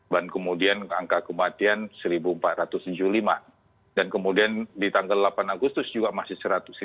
dan kemudian angka kematian satu empat ratus tujuh puluh lima dan kemudian di tanggal delapan agustus juga masih satu empat ratus sembilan puluh delapan